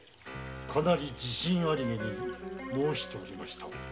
かなり自信あり気に申しておりました。